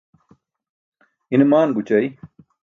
ine maan goćai